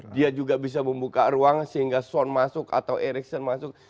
dia juga bisa membuka ruang sehingga son masuk atau ericson masuk